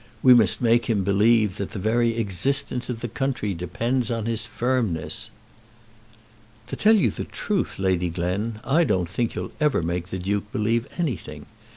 We must make him believe that the very existence of the country depends on his firmness." "To tell you the truth, Lady Glen, I don't think you'll ever make the Duke believe anything.